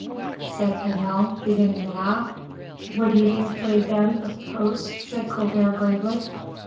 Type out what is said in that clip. said Vanel, beginning to laugh. "Would you be afraid, then, of the post?" said Colbert, gravely.